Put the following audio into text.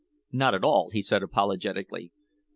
"Not at all," he said apologetically.